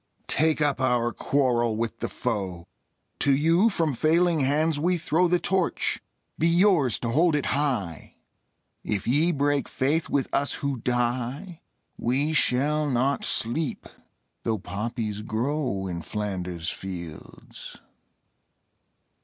Take up our quarrel with the foe: To you from failing hands we throw The Torch: be yours to hold it high! If ye break faith with us who die We shall not sleep, though poppies grow In Flanders fields.